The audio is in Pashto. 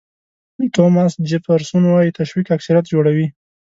توماس جیفرسون وایي تشویق اکثریت جوړوي.